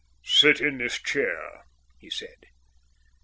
"Sit in this chair," he said.